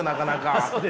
そうですか。